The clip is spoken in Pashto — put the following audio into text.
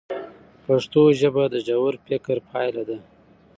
پښتو ژبه د ژور فکر پایله ده.